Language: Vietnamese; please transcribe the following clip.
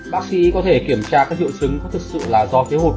bác sĩ có thể kiểm tra các triệu chứng có thực sự là do thiếu hụt